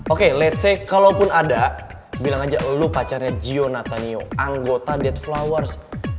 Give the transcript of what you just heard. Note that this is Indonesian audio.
oke let's say kalo pun ada bilang aja lu pacarnya gio natanio anggota dead flowers